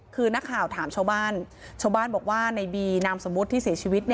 คือนักข่าวถามชาวบ้านชาวบ้านบอกว่าในบีนามสมมุติที่เสียชีวิต